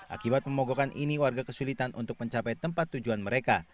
akibat pemogokan ini warga kesulitan untuk mencapai tempat tujuan mereka